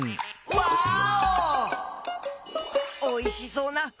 ワーオ！